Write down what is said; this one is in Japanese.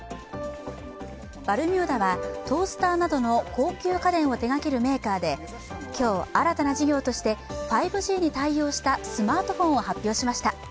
バルミューダはトースターなどの高級家電を手がけるメーカーで今日、新たな事業として５Ｇに対応したスマートフォンを発表しました。